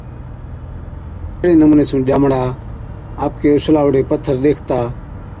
اِسڙي نمُوني سُون ڄامڙا آپڪي اُڇلائوڙي پٿر ڏيکتا،